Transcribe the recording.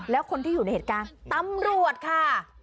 แล้วคนที่อยู่ในเหตุการณ์ตำรวจค่ะ